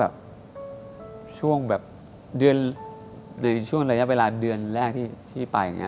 แบบช่วงแบบเดือนในช่วงระยะเวลาเดือนแรกที่ไปอย่างนี้